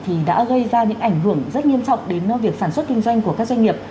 thì đã gây ra những ảnh hưởng rất nghiêm trọng đến việc sản xuất kinh doanh của các doanh nghiệp